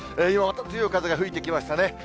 今、また強い風が吹いてきましたね。